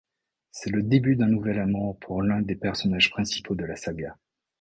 C'est le début d'un nouvel amour pour l'un des personnages principaux de la saga.